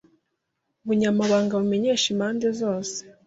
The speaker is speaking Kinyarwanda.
Ubunyamabanga bumenyesha impande zose